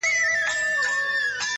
• د خپل قسمت سره په جنګ را وزم ,